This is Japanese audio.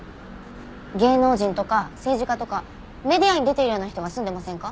芸能人とか政治家とかメディアに出ているような人が住んでませんか？